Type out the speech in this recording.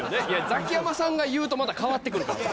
ザキヤマさんが言うとまた変わってくるから。